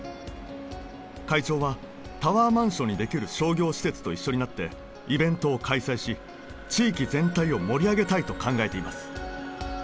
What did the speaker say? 会長はタワーマンションにできる商業施設と一緒になってイベントを開催し地域全体を盛り上げたいと考えています